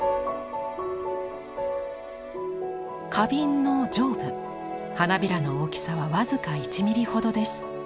花瓶の上部花びらの大きさは僅か１ミリほどです。